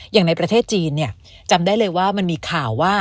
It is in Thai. อย่างในประเทศจีนจำได้เลยว่ามันมีข่าวว่า